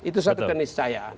itu satu keniscayaan